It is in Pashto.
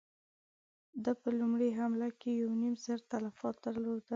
ده په لومړۍ حمله کې يو نيم زر تلفات درلودل.